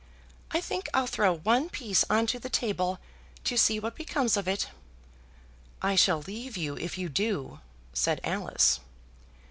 I think I'll throw one piece on to the table to see what becomes of it." "I shall leave you if you do," said Alice.